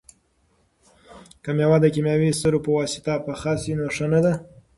که مېوه د کیمیاوي سرو په واسطه پخه شي نو ښه نه ده.